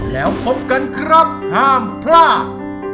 แล้วพบกันครับห้ามพลาด